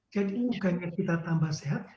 jadi bukannya kita tambah sehat